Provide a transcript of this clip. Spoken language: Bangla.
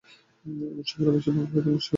এমন সময় রমেশের বাংলা হইতে উমেশ আসিয়া উপস্থিত হইল।